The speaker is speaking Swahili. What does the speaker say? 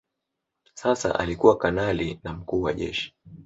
Sasa alikuwa kanali na mkuu wa Jeshi